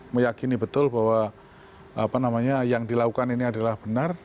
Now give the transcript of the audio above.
meyakini betul bahwa yang dilakukan ini adalah benar